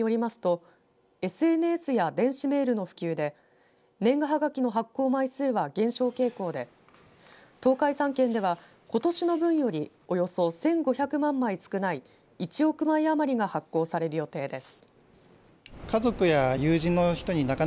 日本郵便によりますとＳＮＳや電子メールの普及で年賀はがきの発行枚数は減少傾向で東海３県ではことしの分よりおよそ１５００万枚少ない１億枚余りが発行される予定です。